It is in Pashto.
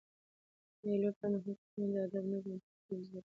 د مېلو پر مهال کوچنيان د ادب، نظم او ترتیب زدهکړه کوي.